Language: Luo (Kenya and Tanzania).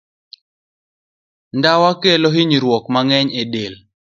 Ndawa kelo hinyruok mang'eny ne del.